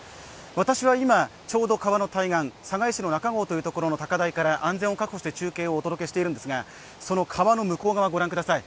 私は今ちょうど川の対岸寒河江市の中郷というところから安全を確保して中継をお届けしているんですが、その川の向こう側を御覧ください。